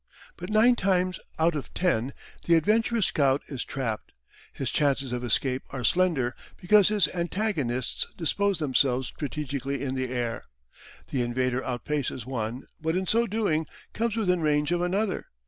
But nine times out of ten the adventurous scout is trapped. His chances of escape are slender, because his antagonists dispose themselves strategically in the air. The invader outpaces one, but in so doing comes within range of another.